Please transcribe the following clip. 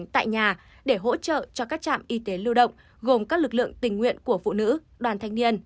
tại nhà để hỗ trợ cho các trạm y tế lưu động gồm các lực lượng tình nguyện của phụ nữ đoàn thanh niên